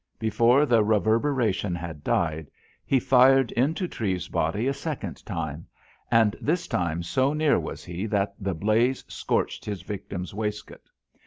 Before the reverberation had died, he fired into Treves's body a second time, and this time so near was he that the blaze scorched his victim's waistcoat.